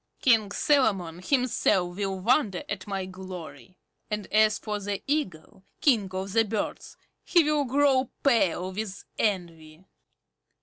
King Solomon himself will wonder at my glory. And as for the Eagle, King of the Birds, he will grow pale with envy.